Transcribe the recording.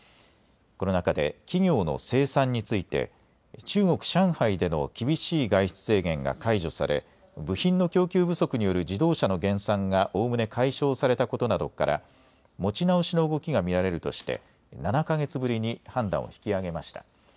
この中で企業の生産について中国・上海での厳しい外出制限が解除され部品の供給不足による自動車の減産がおおむね解消されたことなどから持ち直しの動きが見られるとして７か月ぶりに判断を引き上げました。